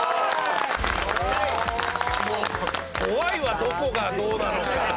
もう怖いわどこがどうなのか。